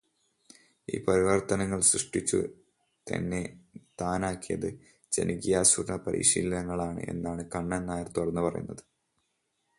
ഈ പരിവർത്തനങ്ങൾ സൃഷ്ടിച്ചു തന്നെ താനാക്കിയത് ജനകീയാസൂത്രണ പരിശീലനങ്ങളാണ് എന്നാണു കണ്ണന് നായർ തുറന്നു പറയുന്നത്.